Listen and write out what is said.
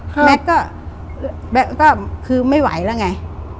ทำไมเปล่าก็คือไม่ไหวแล้วไง